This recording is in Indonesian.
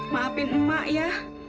maafkan emak ya